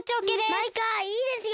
マイカいいですよ。